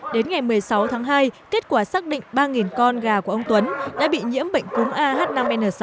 đến ngày một mươi sáu tháng hai kết quả xác định ba con gà của ông tuấn đã bị nhiễm bệnh cúm ah năm n sáu